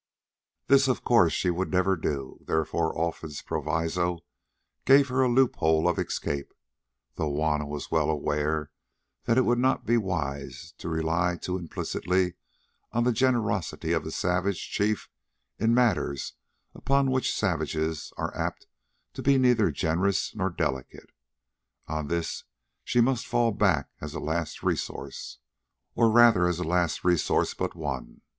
This of course she would never do; therefore Olfan's proviso gave her a loophole of escape, though Juanna was well aware that it would not be wise to rely too implicitly on the generosity of the savage chief in matters upon which savages are apt to be neither generous nor delicate. On this she must fall back as a last resource, or rather as a last resource but one.